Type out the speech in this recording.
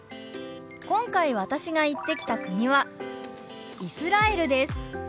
今回私が行ってきた国はイスラエルです。